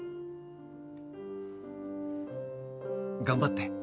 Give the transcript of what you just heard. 頑張って。